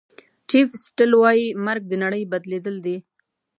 چیف سیټل وایي مرګ د نړۍ بدلېدل دي.